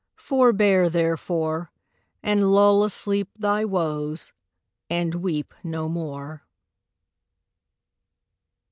Forbear, therefore, And lull asleep Thy woes, and weep No more.